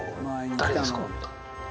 誰ですか。